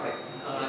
bukan paper bag